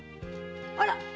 あら⁉